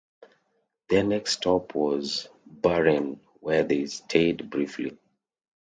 Their next stop was Bahrain where they stayed briefly.